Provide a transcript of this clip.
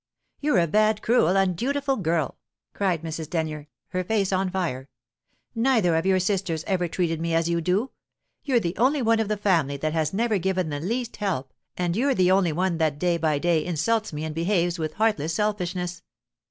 "You're a bad, cruel, undutiful girl!" cried Mrs. Denyer, her face on fire. "Nether of your sisters ever treated me as you do. You're the only one of the family that has never given the least help, and you're the only one that day by day insults me and behaves with heartless selfishness!